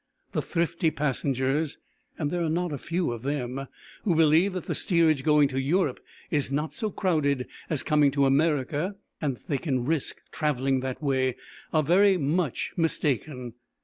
The thrifty passengers, and there are not a few of them, who believe that the steerage going to Europe is not so crowded as coming to America, and that they can risk travelling that way, are very much mistaken.